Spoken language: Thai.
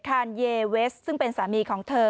คานเยเวสซึ่งเป็นสามีของเธอ